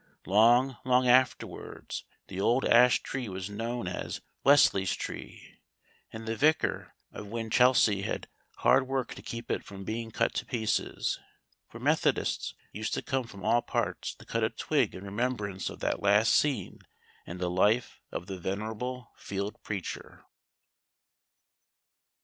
Long, long afterwards the old ash tree was known as "Wesley's Tree," and the vicar of Winchelsea had hard work to keep it from being cut to pieces; for Methodists use to come from all parts to cut a twig in remembrance of that last scene in the life of the venerable field preacher.